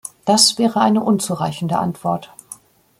Das wäre eine unzureichende Antwort.